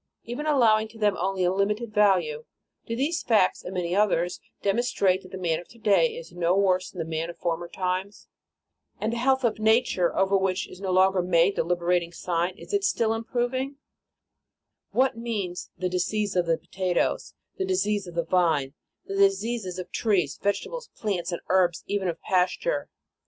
Even allowing to them only a limited value, do these facts and many others, demonstrate that the man of to day is no worse than the man of former times? And the health of nature, over which is no 300 The Sign of the Cross longer made the liberating sign, is it still im proving? What means the disease of the potatoes, the disease of the vine, the diseases of trees, vegetables, plants, and herbs, even of pasture